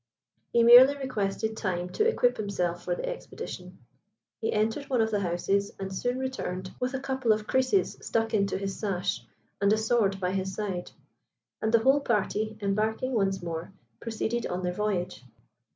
He merely requested time to equip himself for the expedition. He entered one of the houses, and soon returned with a couple of creeses stuck in his sash, and a sword by his side, and the whole party, embarking once more, proceeded on their voyage.